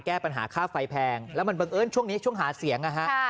แก้ปัญหาค่าไฟแพงแล้วมันบังเอิญช่วงนี้ช่วงหาเสียงนะฮะ